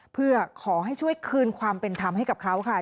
เพื่อขอให้ช่วยคืนความเป็นธรรมให้กับเขาค่ะ